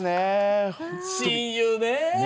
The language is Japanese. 親友ね。